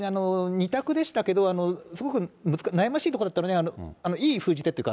二択でしたけど、すごく悩ましいところだったので、いい封じ手というか。